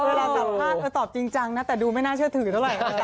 ว่าเพิ่งอยากเนี่ยโดยที่ตอบจริงจังนะแต่ดูไม่น่าเชื่อถือเท่านั้น